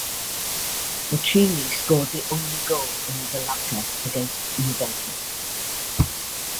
Bochini scored the only goal in the latter against Juventus.